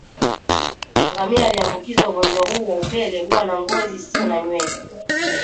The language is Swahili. Ngamia aliyeambukizwa ugonjwa huu wa upele huwa na ngozi isiyo na nywele